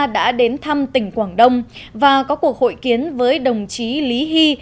đã đến thăm tỉnh quảng đông và có cuộc hội kiến với đồng chí lý hy